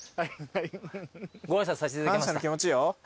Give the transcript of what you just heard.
ご挨拶させていただきました。